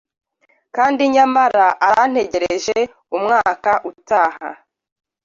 kandi nyamara arantegereje umwaka utaha